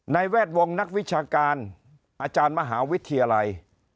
แวดวงนักวิชาการอาจารย์มหาวิทยาลัย